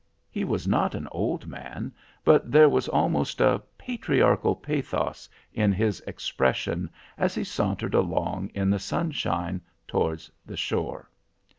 He was not an old man, but there was almost a patriarchal pathos in his expression as he sauntered along in the sunshine towards the shore.